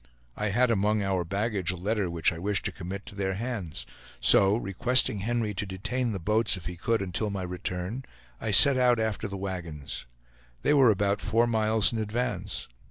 I had among our baggage a letter which I wished to commit to their hands; so requesting Henry to detain the boats if he could until my return, I set out after the wagons. They were about four miles in advance.